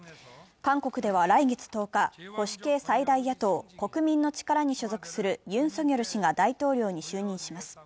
韓国では来月１０日、保守系最大野党国民の力に所属するユン・ソギョル氏が大統領に就任します。